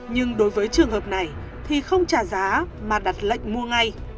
nhưng đối với trường hợp này thì không trả giá mà đặt lệnh mua ngay